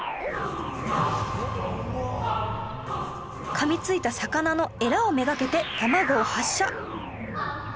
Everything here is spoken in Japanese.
噛みついた魚のエラを目がけて卵を発射